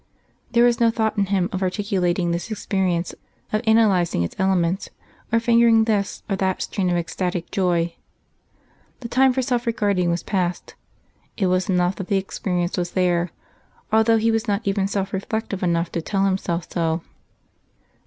There was no thought in him of articulating this experience, of analysing its elements, or fingering this or that strain of ecstatic joy. The time for self regarding was passed. It was enough that the experience was there, although he was not even self reflective enough to tell himself so.